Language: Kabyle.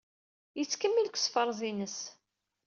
Yettkemmil deg usefreẓ-ines.